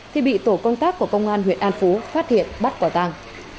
thì bị tổ công tác của công an huyện an phú phát hiện bắt quả tàng